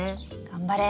頑張れ！